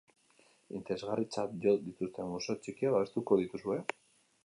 Interesgarritzat jo dituzten museo txikiak babestuko dituzue?